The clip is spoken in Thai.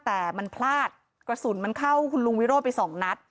แต่มันพลาดกระสุนมันเข้าคุณลุงวิโรธไปสองนัด